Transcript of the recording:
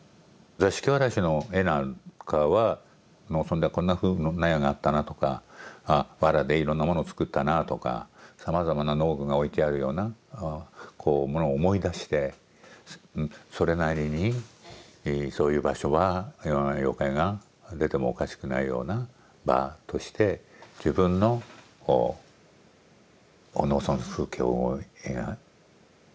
座敷童子の絵なんかは農村ではこんなふうの納屋があったなとかわらでいろんなものを作ったなとかさまざまな農具が置いてあるようなこうものを思い出してそれなりにそういう場所は妖怪が出てもおかしくないような場として自分の農村風景を描いたんだと思うんですね。